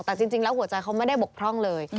แต่จริงแล้วหัวใจเขาไม่ได้บกพร่องเลย